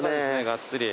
がっつり。